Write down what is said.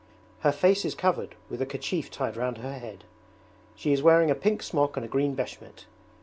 Her face is covered with a kerchief tied round her head. She is wearing a pink smock and a green beshmet.